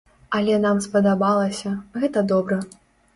Але нам спадабалася, гэта добра.